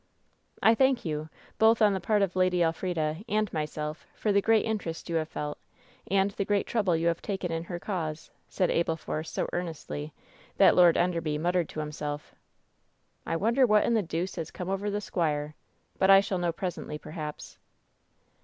"I thank you, both on the part of Lady Elfrida and myself, for the great interest you have felt and the great trouble you have taken in her cause," said Abel Force so earnestly that Lord Enderby muttered to himself: "I wonder what in the deuce has come over the squire ? But I shall know presently, perhaps."